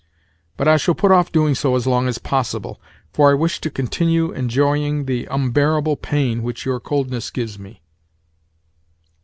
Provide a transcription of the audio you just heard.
But I shall put off doing so as long as possible, for I wish to continue enjoying the unbearable pain which your coldness gives me.